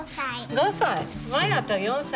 ５歳。